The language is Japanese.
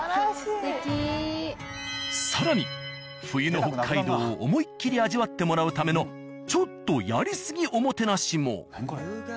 更に冬の北海道を思いっ切り味わってもらうためのちょっとやりすぎおもてなしも。